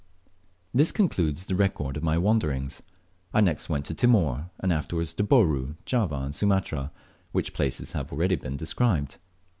This concludes the record of my wanderings. I next went to Timor, and afterwards to Bourn, Java, and Sumatra, which places have already been described.